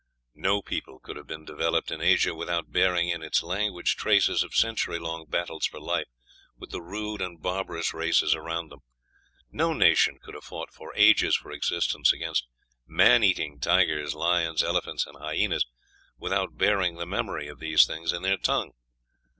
No people could have been developed in Asia without bearing in its language traces of century long battles for life with the rude and barbarous races around them; no nation could have fought for ages for existence against "man eating" tigers, lions, elephants, and hyenas, without bearing the memory of these things in their tongue.